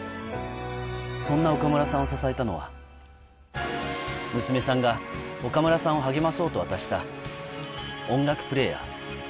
そんな岡村さんを支えたのは、娘さんが、岡村さんを励まそうと渡した、音楽プレーヤー。